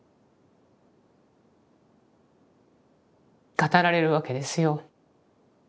語られるわけですよ。